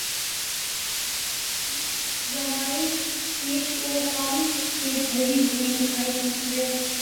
ان کی زندگی ڈرامائی پیچ و خم سے بھری ہوئی دکھائی دیتی ہے